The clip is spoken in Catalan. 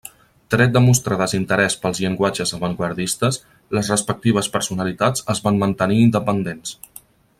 Tret de mostrar desinterès pels llenguatges avantguardistes, les respectives personalitats es van mantenir independents.